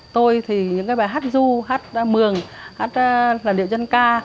tôi thì những bài hát ru hát mường hát làn điệu dân ca